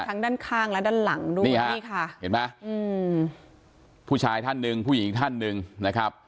มีทั้งด้านข้างและด้านหลังดูนี่ค่ะเห็นมั้ยผู้ชายท่านนึงผู้หญิงท่านนึงนะครับ